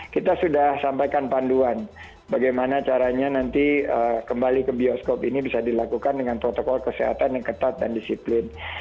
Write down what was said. kita sudah sampaikan panduan bagaimana caranya nanti kembali ke bioskop ini bisa dilakukan dengan protokol kesehatan yang ketat dan disiplin